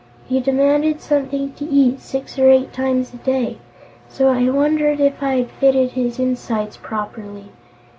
He demanded something to eat six or eight times a day, so I wondered if I had fitted his insides properly.